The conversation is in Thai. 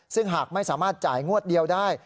ซึ่งหากไม่สามารถจ่ายงวดเดียวได้